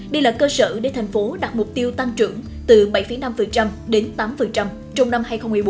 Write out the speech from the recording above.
đây là cơ sở để thành phố đặt mục tiêu tăng trưởng từ bảy năm đến tám trong năm hai nghìn một mươi bốn